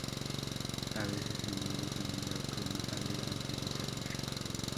A veces se añade canela o crema agria antes de servir.